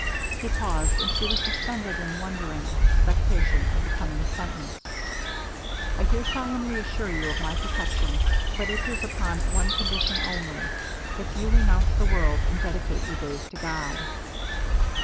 He paused, and she was suspended in wondering expectation of the coming sentence. 'I here solemnly assure you of my protection, but it is upon one condition only that you renounce the world, and dedicate your days to God.'